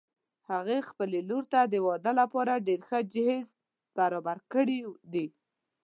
هغې خپلې لور ته د واده لپاره ډېر ښه جهیز برابر کړي دي